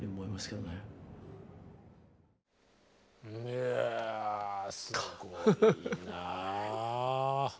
いやあすごいな。